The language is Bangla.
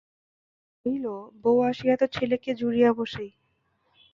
মহেন্দ্র কহিল, বউ আসিয়া তো ছেলেকে জুড়িয়া বসেই।